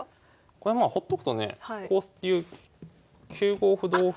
これまあほっとくとねこういう９五歩同歩。